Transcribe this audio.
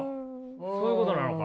そういうことなのかな？